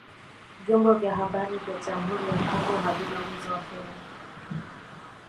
Vyombo vya habari vya jamhuri ya kongo havina uwezo wa fedha